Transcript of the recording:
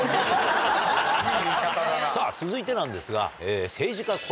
続いてなんですが。